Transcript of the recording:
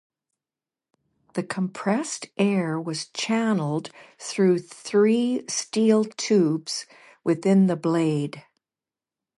The compressed air was channelled through three steel tubes within the blade.